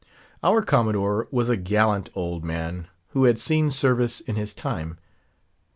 Our Commodore was a gallant old man, who had seen service in his time.